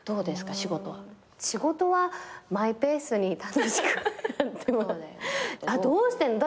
仕事はマイペースに楽しくやってます。